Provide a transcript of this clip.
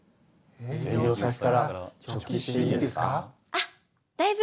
あっだいぶ